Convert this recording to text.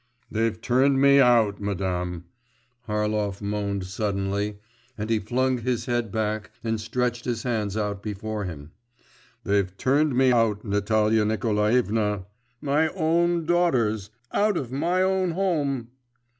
'They've turned me out, madam,' Harlov moaned suddenly, and he flung his head back and stretched his hands out before him. 'They've turned me out, Natalia Nikolaevna! My own daughters, out of my own home.